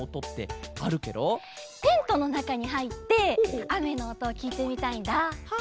テントのなかにはいってあめのおとをきいてみたいんだ。